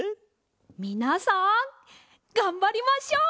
みなさんがんばりましょう！